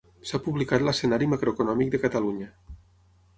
S'ha publicat l'Escenari macroeconòmic de Catalunya.